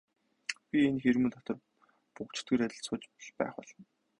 Би энэ хэрмэн дотор буг чөтгөр адил сууж л байх болно.